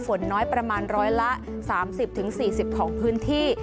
ฝนน้อยประมาณร้อยละ๓๐๔๐ของพื้นที่